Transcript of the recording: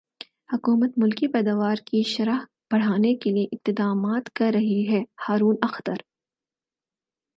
حکومت ملکی پیداوار کی شرح بڑھانے کیلئے اقدامات کر رہی ہےہارون اختر